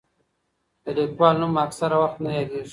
د لیکوال نوم اکثره وخت نه یادېږي.